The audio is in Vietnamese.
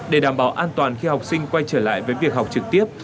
để đảm bảo an toàn khi học sinh quay trở lại với việc học trực tiếp